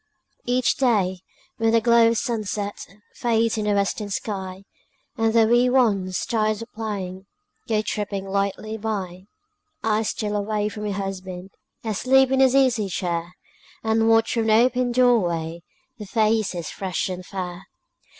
Each day, when the glow of sunset Fades in the western sky, And the wee ones, tired of playing, Go tripping lightly by, I steal away from my husband, Asleep in his easy chair, And watch from the open door way Their faces fresh and fair.